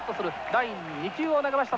第２球を投げました。